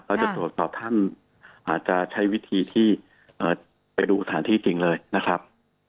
จะตรวจสอบท่านอาจจะใช้วิธีที่ไปดูสถานที่จริงเลยนะครับ